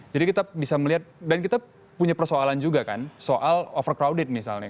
jadi kita bisa melihat dan kita punya persoalan juga kan soal overcrowded misalnya